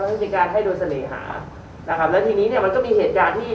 วิธีการให้โดยเสน่หานะครับแล้วทีนี้เนี่ยมันก็มีเหตุการณ์ที่